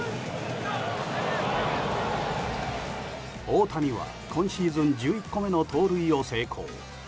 大谷は今シーズン１１個目の盗塁を成功。